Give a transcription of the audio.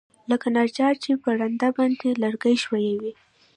لکه نجار چې په رنده باندى لرګى ښويوي.